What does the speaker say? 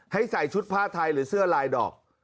ใส่ชุดผ้าไทยหรือเสื้อลายดอก